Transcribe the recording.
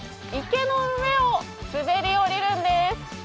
池の上を滑り降りるんです。